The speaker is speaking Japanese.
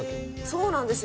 そうなんですよ。